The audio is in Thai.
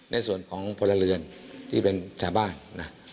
ในส่วนของพลเรือนที่เป็นชาวบ้านนะ